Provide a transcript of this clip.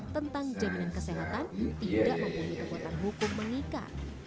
tentang jaminan kesehatan tidak mempunyai kekuatan hukum mengikat